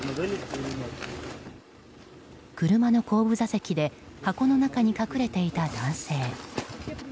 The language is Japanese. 車の後部座席で箱の中に隠れていた男性。